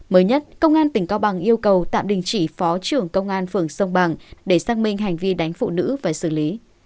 mới nhất công an tỉnh cao bằng yêu cầu tạm đình chỉ phó trưởng công an phường sông bằng để xác minh hành vi đánh phụ nữ và xử lý